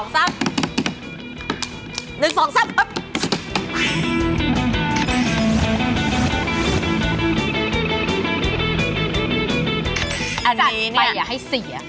จัดไปให้เสีย